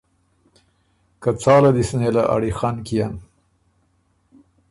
که څاله دی سو نېله اړیخن کيېن۔